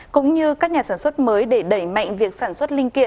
cũng như các nhà sản xuất mới để đẩy mạnh việc sản xuất